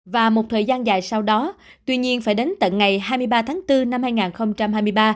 và một thời gian dài sau đó tuy nhiên phải đến tận ngày hai mươi ba tháng bốn năm hai nghìn hai mươi ba